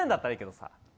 さ